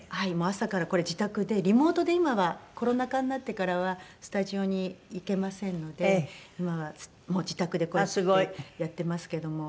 朝からこれ自宅でリモートで今はコロナ禍になってからはスタジオに行けませんので今は自宅でこうやってやってますけども。